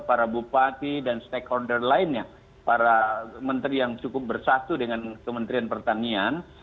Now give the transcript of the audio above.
para bupati dan stakeholder lainnya para menteri yang cukup bersatu dengan kementerian pertanian